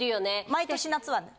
毎年夏はね。